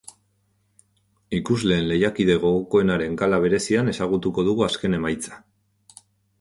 Ikusleen lehiakide gogokoenaren gala berezian ezagutuko dugu azken emaitza.